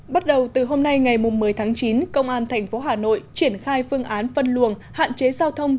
bắt đầu từ hôm nay ngày một mươi tháng chín công an tp hà nội triển khai phương án phân luồng hạn chế giao thông